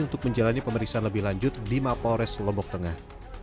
untuk menjalani pemeriksaan lebih lanjut di mapolres lombok tengah